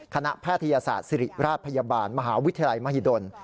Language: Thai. แพทยศาสตร์ศิริราชพยาบาลมหาวิทยาลัยมหิดล